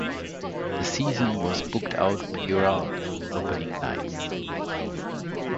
The season was booked out prior to opening night.